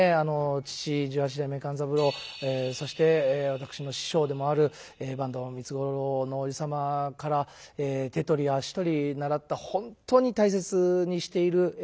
父十八代目勘三郎そして私の師匠でもある坂東三津五郎のおじ様から手取り足取り習った本当に大切にしている演目でございます。